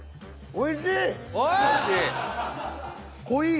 「おいしい」。